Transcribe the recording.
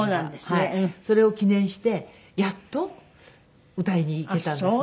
それを記念してやっと歌いに行けたんですね